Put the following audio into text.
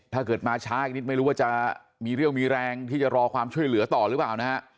ถ้าเกิดมาช้าอีกนิดไม่รู้ว่าจะมีเรี่ยวมีแรงที่จะรอความช่วยเหลือต่อหรือเปล่านะฮะ